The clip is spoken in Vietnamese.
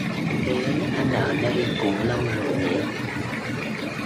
Thế anh ở đây cũng lâu rồi nhỉ